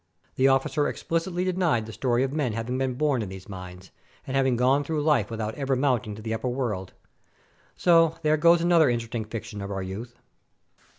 The oflScer explicitly denied the story of men having been born in these mines, and hav ing gone through life without ever mounting to the upper world. So there goes another interesting fiction of our youth.